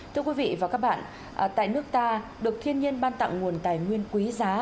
thưa quý vị và các bạn tại nước ta được thiên nhiên ban tặng nguồn tài nguyên quý giá